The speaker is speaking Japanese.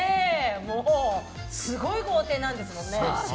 もう、すごい豪邸なんですもんね。